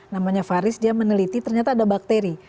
namanya faris dia meneliti ternyata ada bakteri